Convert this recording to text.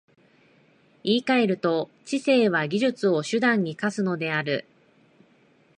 言い換えると、知性は技術を手段に化するのである。